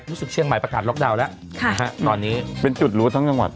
รู้สึกเชียงใหม่ประกาศล็อกดาวน์แล้วตอนนี้เป็นจุดรู้ทั้งจังหวัด